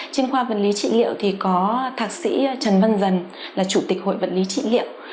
chuyên khoa vật lý trị liệu thì có thạc sĩ trần vân dần là chủ tịch hội vật lý trị liệu